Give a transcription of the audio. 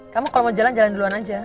kamu kalau mau jalan jalan duluan aja